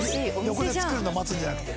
横で作るの待つんじゃなくて。